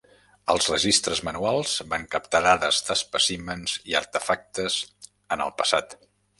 Els registres manuals van captar dades d'espècimens i artefactes en el passat.